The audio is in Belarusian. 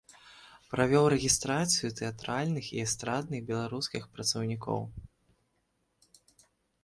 Правёў рэгістрацыю тэатральных і эстрадных беларускіх працаўнікоў.